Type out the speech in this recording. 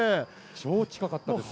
超近かったですね。